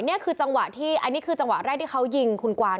อันนี้คือจังหวะแรกที่เขายิงคุณกว้าง